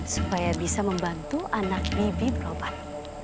supaya bisa membantu anak bibi berobat